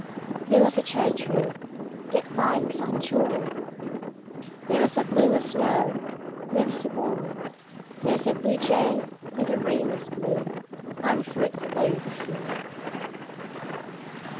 There was a cherry tree, give thanks and joy! There was a bloom of snow There was a boy There was a bluejay of the realest blue And fruit for both of you.